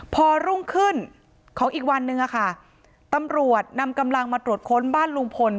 พอรุ่งขึ้นของอีกวันนึงอะค่ะตำรวจนำกำลังมาตรวจค้นบ้านลุงพล